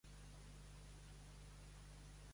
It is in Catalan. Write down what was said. El meu fill es diu Riu: erra, i, u.